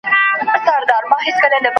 څه کم عقل ماشومان دي د ښارونو .